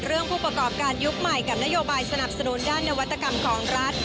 ผู้ประกอบการยุคใหม่กับนโยบายสนับสนุนด้านนวัตกรรมของรัฐ